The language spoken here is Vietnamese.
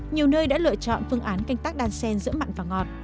nhiều nơi đã lựa chọn phương án canh tác đan sen giữa mặn và ngọt